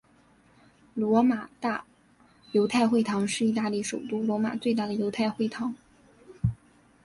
罗马大犹太会堂是意大利首都罗马最大的犹太会堂。